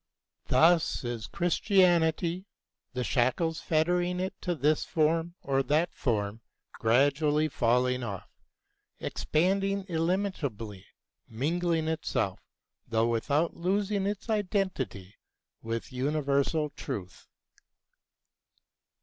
Thus is Christianity, the shackles fettering it to this form or that form gradually falling off, expanding illimitably, mingling itself, though without losing its identity, with universal truth.